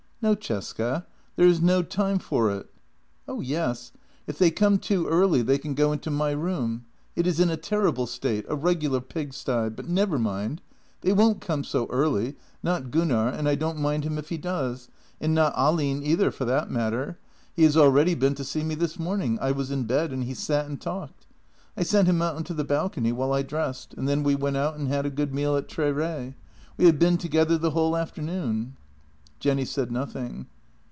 " No, Cesca; there is no time for it." " Oh yes. If they come too early they can go into my room. It is in a terrible state — a regular pigsty — but never mind. They won't come so early — not Gunnar, and I don't mind him if he does, and not Ahlin either for that matter. He has al ready been to see me this morning; I was in bed, and he sat and talked. I sent him out on to the balcony while I dressed, and then we went out and had a good meal at Tre Re. We have been together the whole afternoon." Jenny said nothing.